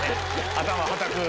頭はたく。